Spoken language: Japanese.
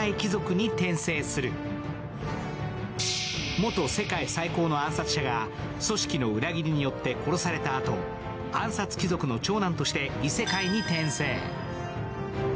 元世界最高の暗殺者が組織の裏切りによって殺されたあと暗殺貴族の長男として異世界に転生。